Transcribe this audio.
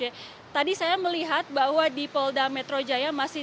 oke tadi saya melihat bahwa di polda metro jaya